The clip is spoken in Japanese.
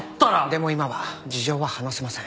でも今は事情は話せません。